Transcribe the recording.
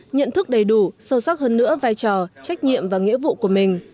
nhận thức đầy đủ sâu sắc hơn nữa vai trò trách nhiệm và nghĩa vụ của mình